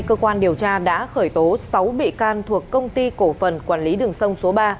cơ quan điều tra đã khởi tố sáu bị can thuộc công ty cổ phần quản lý đường sông số ba